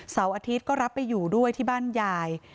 อาทิตย์ก็รับไปอยู่ด้วยที่บ้านยาย